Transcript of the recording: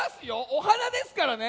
お花ですからね！